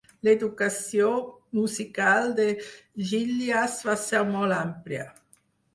L'educació musical de Gillies va ser molt àmplia.